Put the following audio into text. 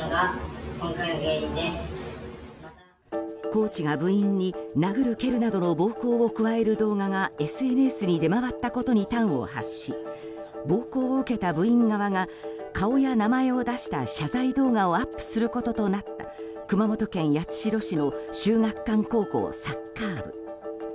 コーチが部員に殴る蹴るなどの暴行を加える動画がＳＮＳに出回ったことに端を発し暴行を受けた部員側が顔や名前を出した謝罪動画をアップすることとなった熊本県八代市の秀岳館高校サッカー部。